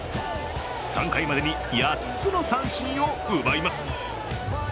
３回までに８つの三振を奪います。